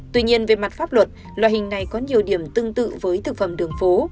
tuy nhiên về mặt pháp luật loại hình này có nhiều điểm tương tự với thực phẩm đường phố